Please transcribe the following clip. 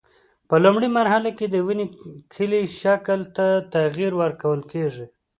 په لومړۍ مرحله کې د ونې کلي شکل ته تغییر ورکول کېږي.